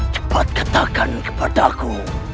cepat katakan kepada aku